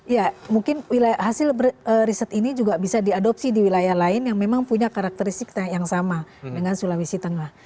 ya mungkin hasil riset ini juga bisa diadopsi di wilayah lain yang memang punya karakteristik yang sama dengan sulawesi tengah